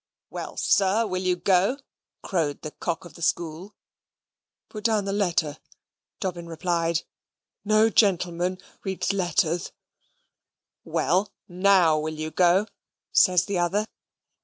"Well, sir, will you go?" crowed the cock of the school. "Put down the letter," Dobbin replied; "no gentleman readth letterth." "Well, NOW will you go?" says the other.